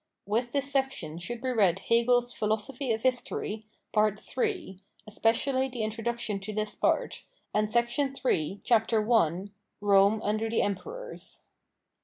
With this section should be read Hegel's Philosophy of History^ Part III, especially the introduction to this part, and Sect. Ill, c. 1., " Rome under the Emperors."